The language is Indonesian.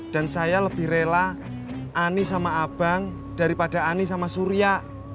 dan saya lebih rela ani sama abang daripada ani sama suria